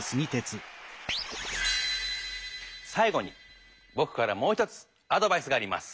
さい後にぼくからもう１つアドバイスがあります。